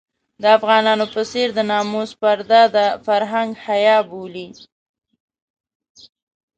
د افغانانو په څېر د ناموس پرده د فرهنګ حيا بولي.